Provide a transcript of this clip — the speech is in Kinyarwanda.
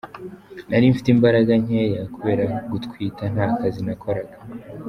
Nari mfite imbaraga nkeya kubera gutwita nta kazi nakoraga.